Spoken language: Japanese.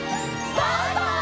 バイバイ！